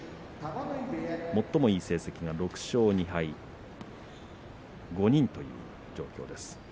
最もいい成績が６勝２敗５人という状況です。